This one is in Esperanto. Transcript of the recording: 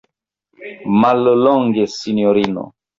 Mallonge, sinjorino.